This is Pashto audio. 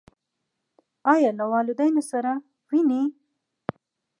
ایا له والدینو سره وینئ؟